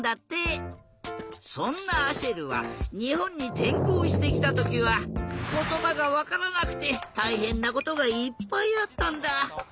そんなアシェルはにほんにてんこうしてきたときはことばがわからなくてたいへんなことがいっぱいあったんだ。